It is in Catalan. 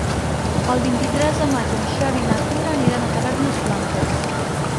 El vint-i-tres de maig en Xavi i na Tura aniran a Tavernes Blanques.